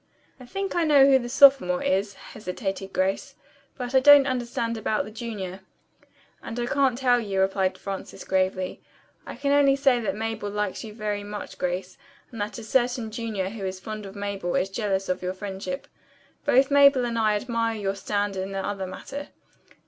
"I think I know who the sophomore is," hesitated Grace, "but I don't understand about the junior." "And I can't tell you," replied Frances gravely. "I can only say that Mabel likes you very much, Grace, and that a certain junior who is fond of Mabel is jealous of your friendship. Both Mabel and I admire your stand in the other matter.